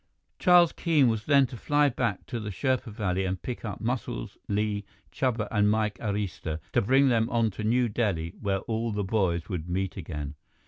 Charles Keene was then to fly back to the Sherpa valley and pick up Muscles, Li, Chuba, and Mike Arista, to bring them on to New Delhi, where all the boys would meet again.